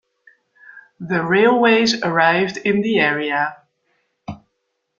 The railways arrived in the area.